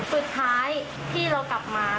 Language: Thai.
สุดท้ายที่เรากลับมา